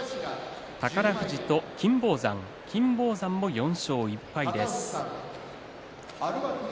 宝富士と金峰山金峰山も４勝１敗です。